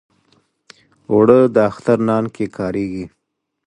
اوړه د اختر نان کې کارېږي